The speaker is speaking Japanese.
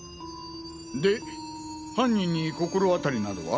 で犯人に心当たりなどは？